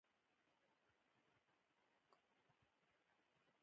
آزاد تجارت مهم دی ځکه چې د اقلیم بدلون پر وړاندې مرسته کوي.